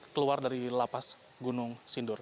keluar dari lapas gunung sindur